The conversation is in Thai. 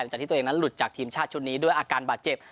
จากที่ตัวเองนั้นหลุดจากทีมชาติชุดนี้ด้วยอาการบาดเจ็บ